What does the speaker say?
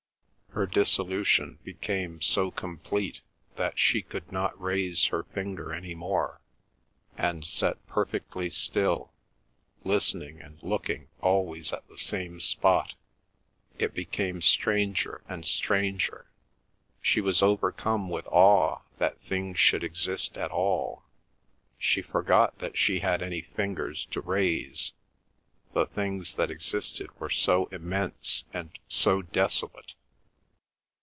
Her dissolution became so complete that she could not raise her finger any more, and sat perfectly still, listening and looking always at the same spot. It became stranger and stranger. She was overcome with awe that things should exist at all. ... She forgot that she had any fingers to raise. ... The things that existed were so immense and so desolate.